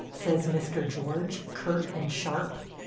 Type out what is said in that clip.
says Mr. George, curt and sharp.